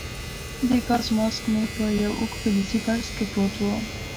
د ګاز ماسک مې په یو اوږد فلزي بکس کې پروت وو.